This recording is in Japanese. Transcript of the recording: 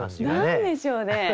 何でしょうね。